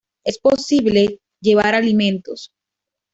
Es posible llevar alimentos.